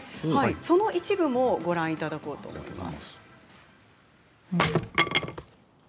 その一部をご覧いただこうと思います。